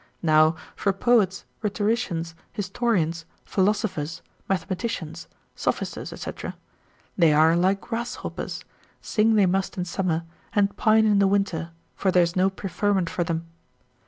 Now for poets, rhetoricians, historians, philosophers, mathematicians, sophisters, &c. they are like grasshoppers, sing they must in summer, and pine in the winter, for there is no preferment for them.